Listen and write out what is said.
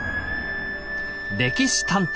「歴史探偵」